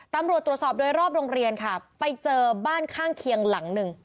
ตำรวจตรวจสอบโดยรอบโรงเรียนค่ะไปเจอบ้านข้างเคียงหลังหนึ่ง